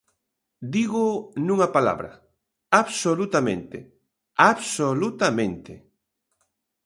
Dígoo nunha palabra: absolutamente, absolutamente.